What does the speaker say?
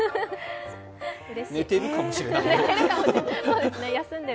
寝てるかもしれないけど。